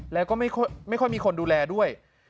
แล้วก็ไม่ค่อยมีคนดูแลด้วย